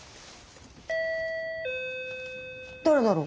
誰だろう？